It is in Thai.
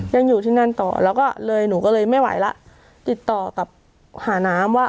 ยังอยู่ที่นั่นต่อแล้วก็เลยหนูก็เลยไม่ไหวแล้วติดต่อกับหาน้ำว่า